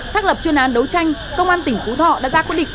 xác lập chuyên án đấu tranh công an tỉnh phú thọ đã ra quyết định